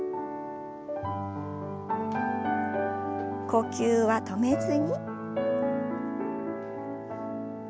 呼吸は止めずに。